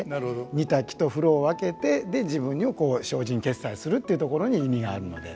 煮炊きと風呂を分けて自分に精進潔斎するっていうところに意味があるので。